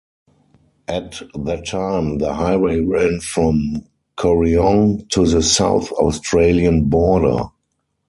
At that time, the highway ran from Corryong to the South Australian border.